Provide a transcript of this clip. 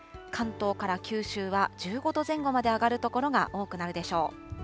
関東から九州は１５度前後まで上がる所が多くなるでしょう。